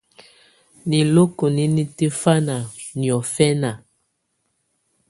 Niloko nɛ́ mùtɛ̀fana niɔ̀fɛ̀na.